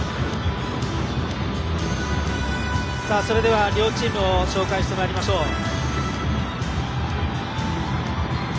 それでは両チームを紹介してまいりましょう。